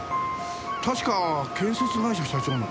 確か建設会社社長の。